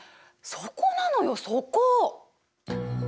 そこなのよそこ！